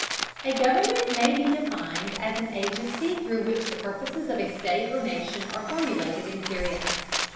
A government may be defined as an agency through which the purposes of a state or nation are formulated and carried out.